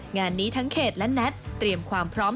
งานนี้ทั้งเขตและแน็ตเตรียมความพร้อม